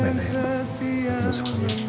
aku aku tau